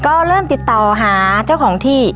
ก็เริ่มติดต่อหาเจ้าของที่